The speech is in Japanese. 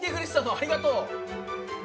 ありがとう。